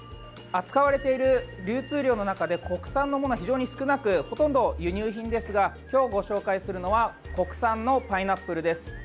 扱われている流通量の中で国産のものは非常に少なくほとんどが輸入品ですが今日ご紹介するのは国産のパイナップルです。